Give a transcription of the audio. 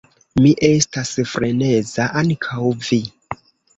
Mi estas freneza; ankaŭ vi!